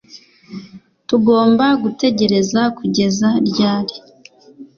tugomba gutegereza kugeza ryari